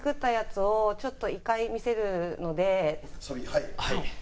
はい。